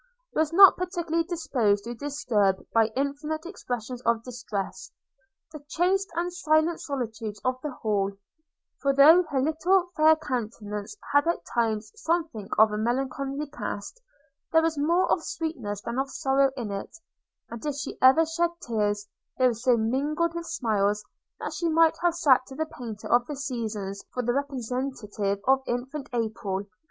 was not particularly disposed to disturb, by infantine expressions of distress, the chaste and silent solitudes of the Hall; for though her little fair countenance had at times something of a melancholy cast, there was more of sweetness than of sorrow in it; and if she ever shed tears, they were so mingled with smiles, that she might have sat to the painter of the Seasons for the representative of infant April.